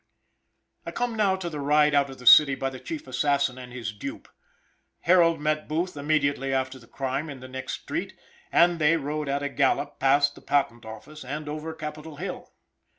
I come now to the ride out of the city by the chief assassin and his dupe. Harold met Booth immediately after the crime in the next street, and they rode at a gallop past the Patent Office and over Capitol Hill.